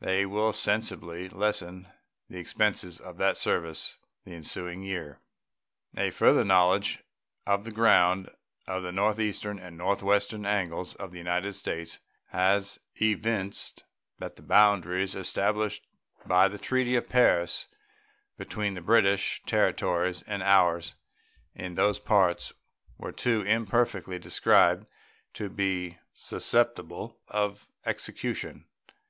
They will sensibly lessen the expenses of that service the ensuing year. A further knowledge of the ground in the northeastern and northwestern angles of the United States has evinced that the boundaries established by the treaty of Paris between the British territories and ours in those parts were too imperfectly described to be susceptible of execution.